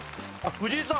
藤井さん！